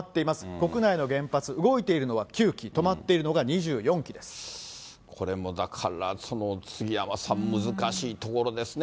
国内の原発、動いているのは９基、これもだから、杉山さん、難しいところですね。